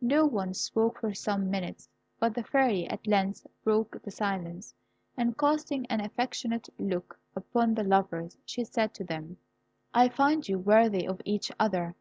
No one spoke for some minutes, but the Fairy at length broke the silence, and casting an affectionate look upon the lovers, she said to them, "I find you worthy of each other.